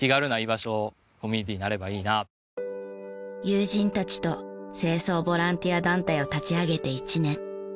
友人たちと清掃ボランティア団体を立ち上げて一年。